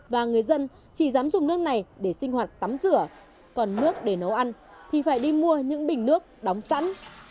và người dân chỉ dám dùng nước này để sinh hoạt tắm rửa còn nước để nấu ăn thì phải đi mua những bình nước đóng sẵn